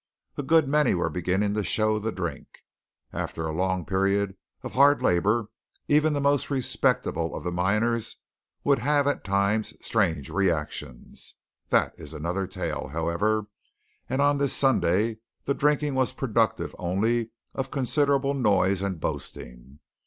A good many were beginning to show the drink. After a long period of hard labour even the most respectable of the miners would have at times strange reactions. That is another tale, however; and on this Sunday the drinking was productive only of considerable noise and boasting.